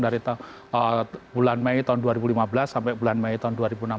dari bulan mei tahun dua ribu lima belas sampai bulan mei tahun dua ribu enam belas